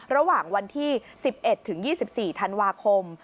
ระหว่างวันที่๑๑๒๔ธันวาคม